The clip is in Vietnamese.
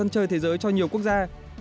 chơi thế giới cho nhiều quốc gia